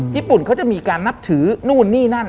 ญี่ปุ่นเขาจะมีการนับถือนู่นนี่นั่น